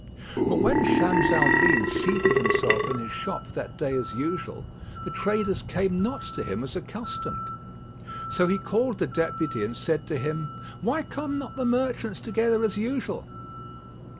But when Shams al Din seated himself in his shop that day as usual, the traders came not to him as accustomed; so he called the Deputy and said to him, "Why come not the merchants together as usual?"